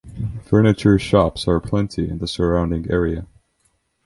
Furniture shops are plenty in the surrounding area.